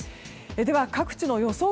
では各地の予想